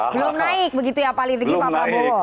belum naik begitu ya palitiknya pak prabowo